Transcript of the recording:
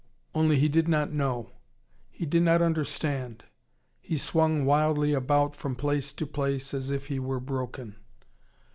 Only he did not know: he did not understand. He swung wildly about from place to place, as if he were broken.